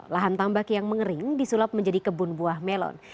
lahan tambak yang mengering disulap menjadi kebun buah melon